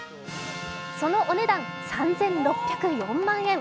そのお値段３６０４万円。